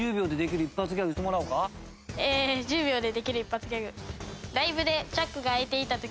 えー１０秒でできる一発ギャグ。